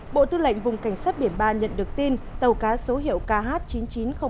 bộ tư lệnh vùng cảnh sát biển ba đã cứu nạn thành công tàu cá của ngư dân tỉnh khánh hòa